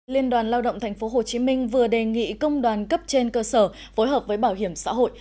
liên đoàn lao động tp hcm vừa đề nghị công đoàn cấp trên cơ sở phối hợp với bảo hiểm xã hội